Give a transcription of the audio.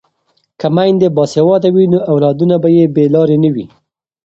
که میندې باسواده وي نو اولادونه به یې بې لارې نه وي.